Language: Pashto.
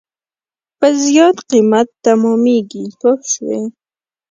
په زیات قیمت تمامېږي پوه شوې!.